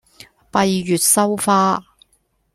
閉月羞花